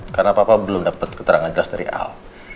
karena papa belum dapet keterangan jelas dari al